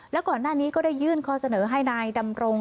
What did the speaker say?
แล้วก่อนหน้านี้ก็ได้ยื่นข้อเสนอให้นายดำรง